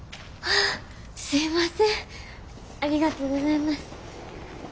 ありがとうございます。